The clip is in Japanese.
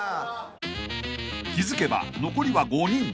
［気付けば残りは５人］